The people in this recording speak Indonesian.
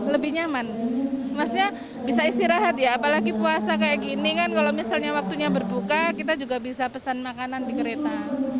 lebih nyaman maksudnya bisa istirahat ya apalagi puasa kayak gini kan kalau misalnya waktunya berbuka kita juga bisa pesan makanan di kereta